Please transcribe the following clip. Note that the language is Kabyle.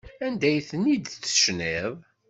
Anda ay ten-id-tecniḍ?